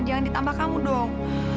jangan ditambah kamu dong